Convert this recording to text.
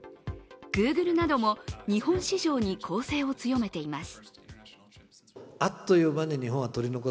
Ｇｏｏｇｌｅなども日本市場に攻勢を強めています。